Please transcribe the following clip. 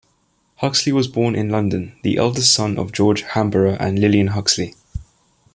Huxley was born in London, the eldest son of George Hamborough and Lilian Huxley.